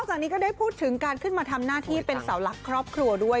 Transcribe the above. จากนี้ก็ได้พูดถึงการขึ้นมาทำหน้าที่เป็นเสาหลักครอบครัวด้วย